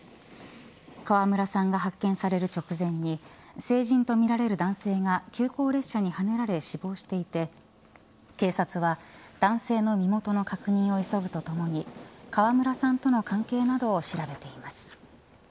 川村さんが発見される直前に成人とみられる男性が急行列車にはねられ死亡していて警察は男性の身元の確認を急ぐとともに川村さんとの関係などを調べています。